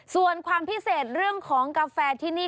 ส่วนความพิเศษเรื่องของกาแฟที่นี่